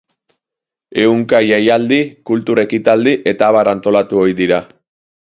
Ehunka jaialdi, kultur ekitaldi eta abar antolatu ohi dira.